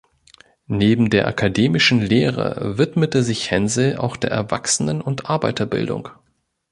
Neben der akademischen Lehre widmete sich Hensel auch der Erwachsenen- und Arbeiterbildung.